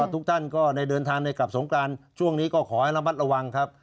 ทุกท่านก็ได้เดินทางในกลับสงกรานช่วงนี้ก็ขอให้ระมัดระวังครับ